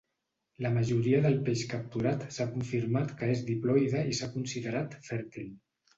La majoria de peix capturat s'ha confirmat que és diploide i s'ha considerat fèrtil.